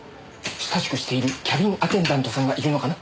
親しくしているキャビンアテンダントさんがいるのかな？